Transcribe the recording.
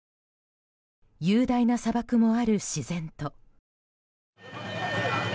雄大な砂漠もある自然と。